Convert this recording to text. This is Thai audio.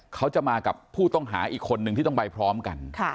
เขาจะมากับผู้ต้องหาอีกคนนึงที่ต้องไปพร้อมกัน